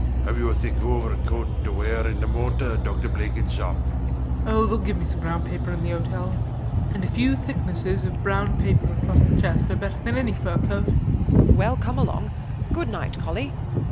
Have you a thick overcoat to wear in the motor, Dr Blenkinsop? BLENKINSOP. Oh, theyll give me some brown paper in the hotel; and a few thicknesses of brown paper across the chest are better than any fur coat. WALPOLE. Well, come along. Good night, Colly.